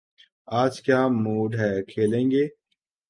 آج کیا موڈ ہے، کھیلیں گے؟